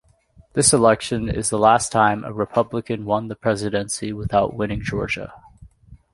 This election is the last time a Republican won the presidency without winning Georgia.